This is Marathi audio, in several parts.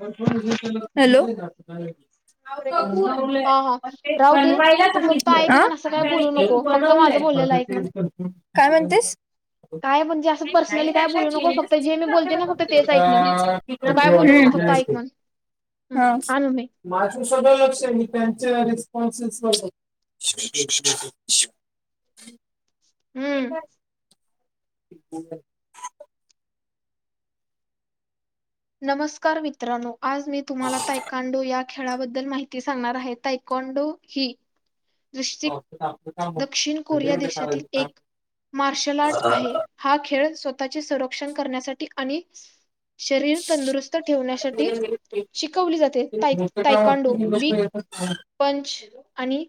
हॅलो! [inaudible] हा हा अ राहू दे तू फक्त ऐक म्हण असं काय बोलू नको फक्त माझं बोललेलं ऐक म्हण काय म्हणतेस? [inaudible] काय म्हणजे अस पर्सनली नाही काय त्याच्या बोलू नको फक्त चेहऱ्याच जे मी बोलते ना फक्त तेच ऐक म्हण. [inaudible] उम्म, आ - [unintelligible] तू काय बोलू नको फक्त ऐक म्हण हं, आणू मी [unintelligible] उमम. [unintelligible] [inaudible] नमस्कार मित्रानो. आज मी तुम्हाला तायकांडू या खेळाबद्दल माहिती सांगणार आहे तायकॉन्डो ही आपलं काम होतं. दक्षिण कोरिया देशातील एक मार्शल आर्ट आहे हा खेळ स्वतः तःचे संरक्षण करण्यासाठी आणि शरीर तंदरुस्त ठेवण्यासाठी शिकवली जाते मोठं काम तायकांडो असतं की लोकं वीक येतात पंच आणि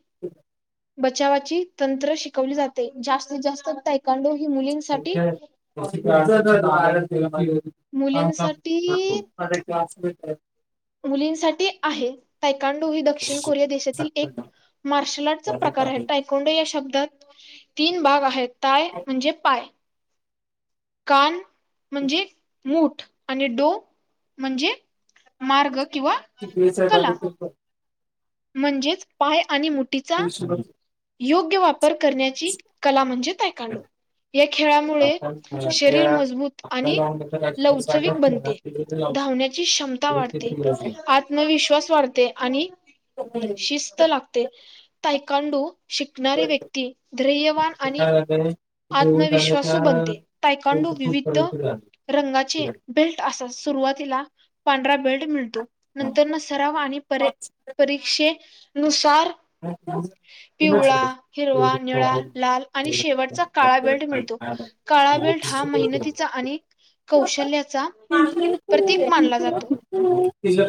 बचावाची तंत्र शिकवली जाते जास्तीत जास्त तायकांडू [inaudible] [unintelligible] मुलींसाठी [unintelligible] मुलींसाठी आहे. तायकांडो ही दक्षिण कोरिया देशातील एक मार्शल आर्टचा प्रकार आहे. तायकोंडो या शब्दात तीन भाग आहेत, ताय म्हणजे पाय कान म्हणजे मूठ. आणि डो म्हणजे मार्ग किंवा कला [unintelligible] म्हणजेच पाय आणि मुठीचा योग्य वाप पर करण्याची कला म्हणजे तायकांडो. या खेळामुळे शरीर मजबूत आणि आपल्याला अंधकाराची लवचविक सांगत नाही ना, बनते, ते तिथे लावून धावण्याची क्षमता पुढे ते वाढते, फिरत नाही. आत्मविश्वास वाढते आणि शिस्त लागते, ताय कांडू शिकणारे व्यक्ती धैयवान ते आणि काय झालंय ते देऊन झालं त्या आत्मविश्वासू बनते. ते तायकांडू खूप विविध पर्यंत झालं रंगाचे तिकडे. बेल्ट असा सुरुवातीला पांढरा बेल्ट मिळतो, नंतर न सरावा आणि परे परीक्षे नुसार पुन्हा पिवळा, ते एवढं हिरवा, निळा, लाल आणि शेवटचा एवढं काळा बेल्ट मिळतो. काय काळा बेल्ट हा झालं? मेहनतीचा आणि कौशल्याचा प्रतीक मानला जातो. तिला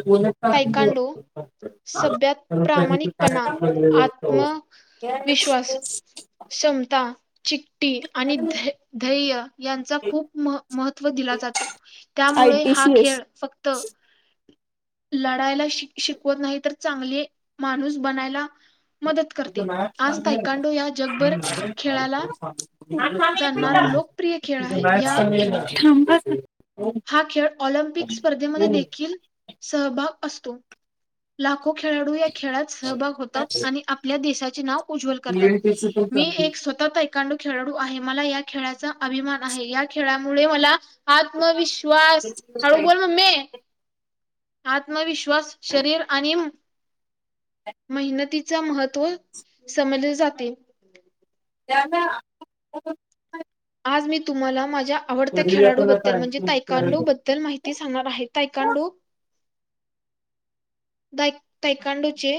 तायकांडो सभ्यात प्रामाणिकपणा, [inaudible] आत्मविश्वास, [inaudible] चिकाटी आणि ध्येय. यांचा खूप मह महत्व. व दिला जातो, त्यामुळे हा खेळ फक्त. लढायला शि शिकवत नाही तर, चांगले माणूस बनायला. मदत करते. आज मॅथम तायकांडो या जगभर खेळाला जाणणारा लोकप्रिय खेळ आहे या बस. हा खेळ ऑलिमपिक स्पर्धेमध्ये हो. देखील सहभाग. असतो. लाख. लाखो खेळाडू, या खेळात सहभाग होतात, आणि आपल्या देशा चे नाव. उज्ज्वल करतात, पण मी चांगली एक आहे. स्वत तिकांडू खेळाडू आहे, मला या खेळाचा अभिमान आहे, या खेळामुळे मला. आत्मविश्वास हाळू बोल मम्मे. आत्मविश्वास, शरीर. आणि मेहनतीच महत्त्व समजले जाते. जा ना. आज मी तुम्हाला माझ्या. आवडत्या पण आता खेळाडूबद्दल म्हणजे ऐकून तायकांडो करायला. बद्दल माहिती सांगणार आहे, तायकांडो. द तैकांडोचे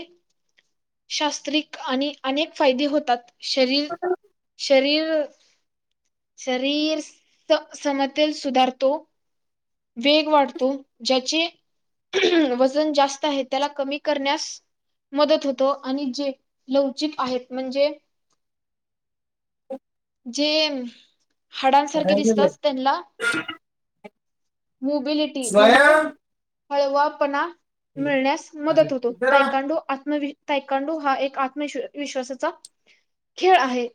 शास्त्रिक आणि अनेक फायदे होतात. शरीर-शरीर. शरीर-समतेत सुधारतो. वेग वाढतो, ज्याचे वजन जास्त आहे, त्याला कमी करण्यास मदत होतो, आणि जे लवचिक आहेत म्हणजे. जे. हाडांसारखे दिसतात त्यांना. ह [unintelligible] मोबिलिटी म्हणजे. हळवा पणा. मिळण्यास अरे मदत होतो, इधर आ. तायकांडो आत्मविस मिळण्यास मदत होतो. तायकांडो हा एक आत्मश विश्वासाचा खेळ आहे,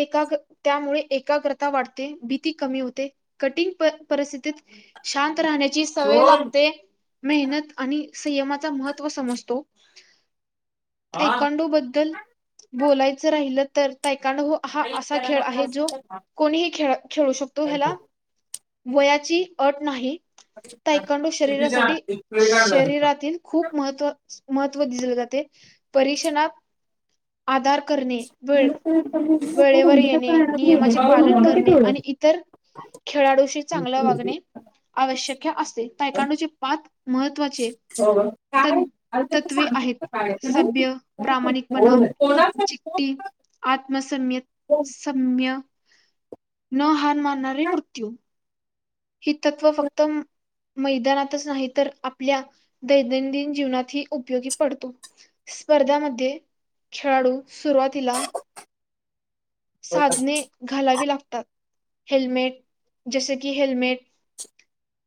एकाग त्यामुळे एकाग्रता वाढते, भीती कमी होते, कटिंग परिस्थितीत शांत. राहण्याची सवय सोड लागते, मेहनत आणि. संयमाचा महत्त्व समजतो. हा तायकांडो बद्दल बोलायचं राहिल. तर तायकांडू. तायकांडू हा आई असा त्याला खेळ नको आहे, असेल जो तर खा. कोणीही खेळ-खेळू शकतो काय ह्याला. करतो? वयाची अट नाही तायकांडु क्षितिजा, शरीरासाठी एक आणला तिथं. शरीरातील खूप महत्व महत्व दिसले जाते परीक्षणात आधार करणे, वेळ [unintelligible] वेळेवर येणे नियमाचे पालन करणे हो आणि इतर खेळाडूशी चांगले वागणे आवश्यक असते. तयकांडूचे पाच महत्त्वाचे हो तन काय आ तर ते तत्वे सांग आहेत काय फ सभ्य प्रामाणिकपणा चिट्टी आत्मसम्य सम्य सम्यं न हार मानणारे काय मृत्यू. ही तत्त्व फक्त मैदानातच नाही तर आपल्या दैनंदिन जीवनात ही उपयोगी पडतो स्पर्धामध्ये खेळाडू सुरुवातीला बता. साधने घालावी लागतात. हेल्मेट जसे की हेल्मेट,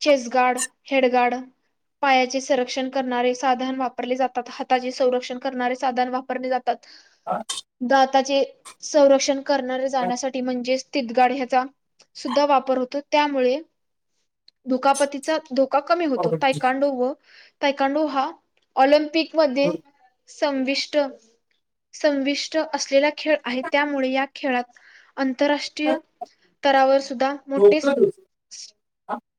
चेस्गार्ड, हेडगार्ड पायाचे संरक्षण करणारे साधन वापरले जातात. हाताचे संरक्षण करणारे साधन वापरले जातात. हा? दाताचे संरक्षण करणारे काय? जाण्यासाठी म्हणजेच [unintelligible] गाड ह्याचा सुद्धा वापर होतो त्यामुळे दुखापतीच्या कमी होतो पावभाजी. तयकांडो व तायकांडू हा ऑलिम्पिक मध्ये कोण? संविष्ट संविष्ट असलेला खेळ आहे त्यामुळे या खेळात आंतरराष्ट्रीय स्तरावर सुद्धा मोठे झोपलं तू?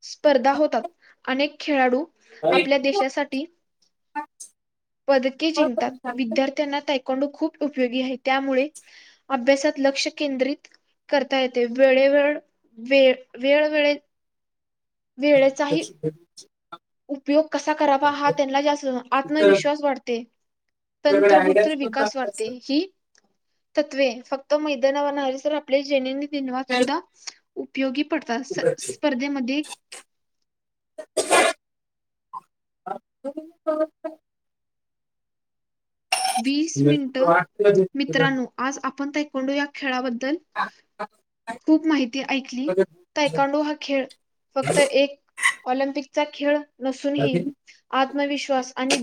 स्पर्धा होतात, अनेक खेळाडू काय? आपल्या भेटलं देशासाठी पदके तर जिंकतात, करून सांगतो. विद्यार्थ्यांना त्या [unintelligible] खूप उपयोगी आहे त्यामुळे अभ्यासात लक्ष केंद्रित करता येते, वेळे वळ वेळ वेळ वेळ. वेळेचाही. कशी भेटली? उपयोग कसा करावा हा त्यांना जास्त तुझं- आत्मविश्वास वाढते, तुझ्याकडे तंत्रगुत्र आयडियाज पण विकास चांगल्या वाढते असतात. हि तत्वे फक्त मैदानावर [unintelligible] तर आपले जेणे धन्यवाद काय? सुद्धा उपयोगी. स्पर्धा असतात, कुठे? स्पर्धेमध्ये [inaudible] वीस करून मिनट, तुला वाटतं का भेटलं? मित्रांनो आज आप पण तायकांडूला या खेळाबद. बद्दल खा. खूप माहिती ऐकली, सगळं तायकांडो हा खेळ फक्त एक ऑलिम्पिकचा खेळ. नसूनही राहतील आत्मविश्वास आणि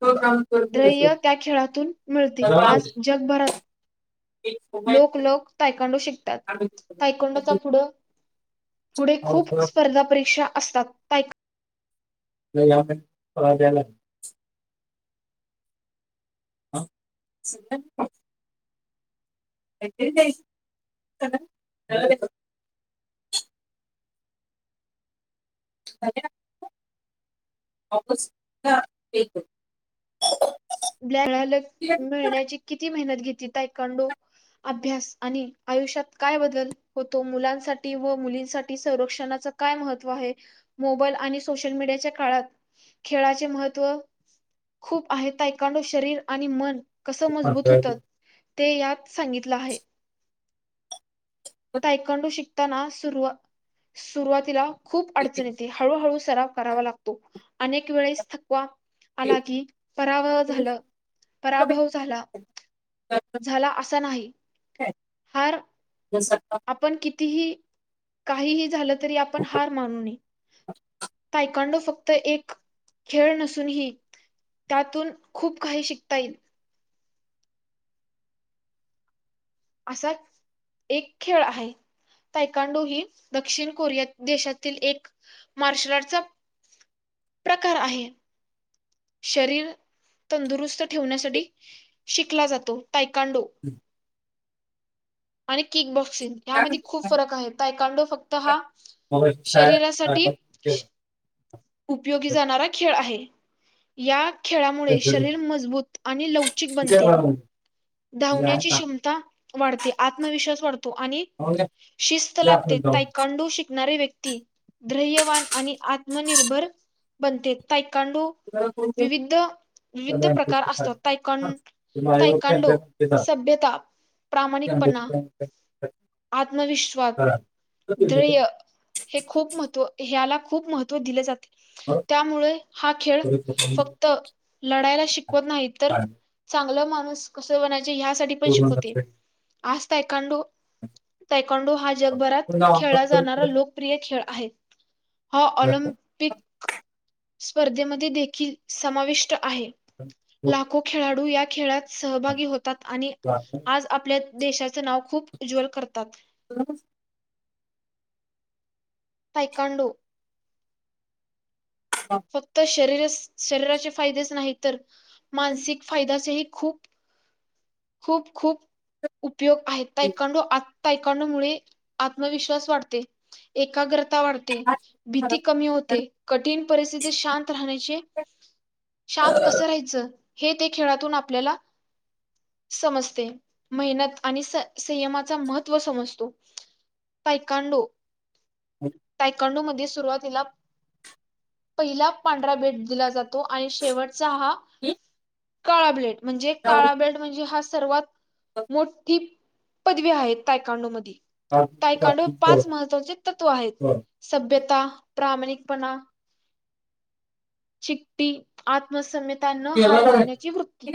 तो काम करतो तसं ध्य. खेळातून मिळते तर जाऊ. आज आम्ही जगभरात. एक मोबाईल लोक-लोक तायकांडो शिकतात, आम्ही तायखांडोचा करतो. पुढं-पुढे खूप पावसाळ्यात स्पर्धा परीक्षा. असतात स्थायिक. मला [unintelligible] हा [unintelligible] [unintelligible] स् वापस, [unintelligible] ब्लयांक मिळण्याची किती मेहनत घेत. तायकांडो अभ्यास आणि आयुष्यात काय बदल होतो, मुलांसाठी व मुलींसाठी संरक्षणाचा काय महत्त्व आहे, मोबाईल आणि सोशल मीडियाच्या काळात खेळाचे महत्व खूप आहे, तायकांडो अभ्यास आणि आयुष्यात काय बदल होतो, मुलांसाठी व मुलींसाठी संरक्षणाच काय महत्त्व आहे, मोबाईल आणि सोशल मीडियाच्या काळात खेळाचे महत्त्व खूप आहे ताय. तायकांडो शरीर आणि मन. कसं पण मजबूत होतं. ते यात सांगितलं आहे. तायकांडू शिकू. ताना सुरु सुरुवातीला. खूप अडचणी येते हळूहळू. सराव करावा लागतो, अनेक वेळेस थकवा आला की पराभ झालं, पराभव झाला-झाला, असा नाही हार आपण कितीही. काहीही झालं तरी आपण हार मानू नये, तायकांडो फक्त एक खेळ नसूनही त्यातून खूप काही शिकता येईल. असा एक खेळ आहे तायकांडो ही दक्षिण कोरिया देशातील एक मार्शल आर्टचा प्रकार आहे, शरीर तंदुरुस्त ठेवण्यासाठी शिकला जातो. तायकांडू. त्या- आणि किक बॉक्स क्सिंग यामध्ये खूप फरक आहे, तायकांडू फक्त हा मग अशी साय- शरीरासाठी सायबा केलं. उपयोगी जाणारा खेळ आहे. या. ते खेळामुळे घरी. शरीर मजबूत आणि लवचिक ते बनते. बरं म्हणजे. हे आहे धावण्याची ना. क्षमता. वाढते आत्मविश्वास वाढतो. आणि मग या- शिस्त या लागते, आपण जाऊन. तायकांडू शिकतो. शिकणारी व्यक्ती धैर्यवान आणि आत्मनिर्भर बनते. ांडू तुम्हाला कोण कोण विविध त्या विविध प्रकार बँकेचं असतात सायबा. हा. ते माझ्यावर तयकन ड कॅमेरा घेतात. सभ्यता कॅमेराची प्रामाणिकपणा बँक काय- काय आत्मविश्वास करा. तर ते लिहिलं. ्रय हे खूप मह ह्याला खूप महत्त्व दिले जाते बरं. त्यामुळे हा खेळ परत आपण फक्त लढायला शिकवत नाही तर काढलं. चांगलं मा बस कसं बनाय ह्यासाठीठी पण पूर्ण शिकवते नसेल. आस्त इई कडो तायकंडो हा जगभरात खेळला जाणारा लोकप्रिय खेळ आहेत हो ऑलिमपिक स्पर्धेमध्ये देखील समाविष्ट आहे लाखो खेळाडू या खेळात सहभागी होतात आणि आज आपल्या देशाचं नाव खूप उज्ज्वल करतात बर पैकाडू फक्त शरीर शरीराचे फायदेच नाही तर मानसिक फायदा सहित खू खूप खूप उपयोग आहेत कडू कामुळे आत्मविश्वास वाढते एकाग्र वाढते भीती कमी होते कठीण परिस्थिती शांत राहण्याची शांत कसं राहायचं हे ते खेळातून आपल्याला समजते मेहनत आणि संयमाचा महत्त्व समजतो पायकांडो हो कांडू मध्ये सुरुवातीला पहिला पांढरा भेट दिला जातो आणि शेवटचा हा ह काळा प्लेट म्हणजे काळाबेल्ट ि हास सर्वात मोठी पदवी हाय तायकांडो मध्ये. तयकाांडो पाच महत्त्वाचे तत्व आहेत. सभ्य ता प्रामणिकपणा. चिट्टी आत्मसम्यत न हार मानण्याची वृत्ती.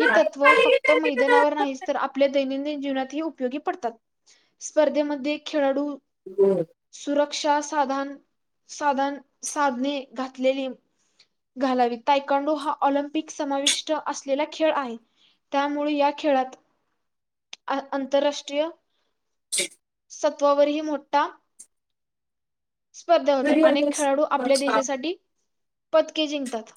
ही तत्त्व फक्त मैदानावर नाहीत तर आपल्या दै दैनंदिन जीवनात हि उपयोगी पडतात. स्पर्धेमध्ये खेळाडू दे. श्या साधान, साधान, साधने घातलेले घालावी तायकांडो हा ऑलिम्पिक समाविष्ट अस गेला खेळ आहे त्यामुळे या खेळात आंतरराष्ट्रीय [unintelligible] सत्वावरही मोठा स्पर्धा होत्या अनेक खेळाडू आपल्या देशासाठी पतके जिंकतात.